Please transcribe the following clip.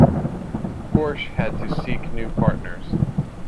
Horch had to seek new partners.